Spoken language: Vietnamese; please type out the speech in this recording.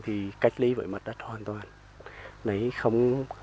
thì cách lý với mặt đất hoàn toàn